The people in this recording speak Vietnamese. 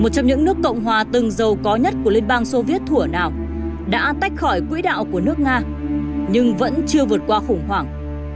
trong những nước cộng hòa từng giàu có nhất của liên bang soviet thua nào đã tách khỏi quỹ đạo của nước nga nhưng vẫn chưa vượt qua khủng hoảng